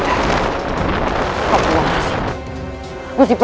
aku akan menangkap dia